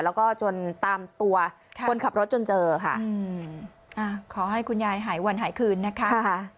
แล้วก็จนตามตัวคนขับรถจนเจอค่ะขอให้คุณยายหายวันหายคืนนะคะ